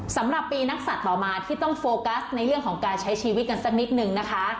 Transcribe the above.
สำหรับปีนักศัตริย์ต่อมาที่ต้องโฟกัสในเรื่องของการใช้ชีวิตกันสักนิดนึงนะคะ